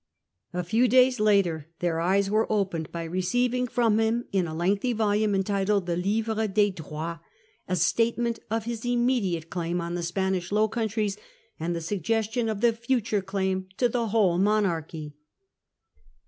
A few days later their eyes were opened by receiving from him, in a lengthy volume entitled the 'Livre des Droits/ a statement of his immediate claim on the Spanish Low Countries, and the suggestion of the future claim to The 'Livre ^ ie w h°l e monarchy.